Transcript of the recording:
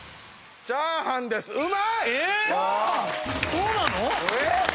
そうなの？